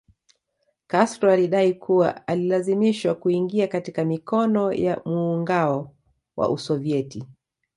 Castro alidai kuwa alilazimishwa kuingia katika mikono ya muungao wa Usovieti